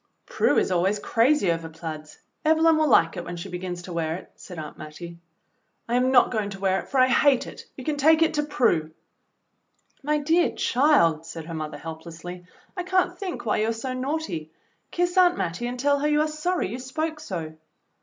"Prue is always crazy over plaids. Evelyn will lilce it when she begins to wear it," said Aunt Mattie. "I am not going to wear it, for I hate it. You can take it to Prue." "My dear child," said her mother helplessly. "I can't think why you are so naughty. Kiss Aunt Mattie and tell her you are sorry you spoke so."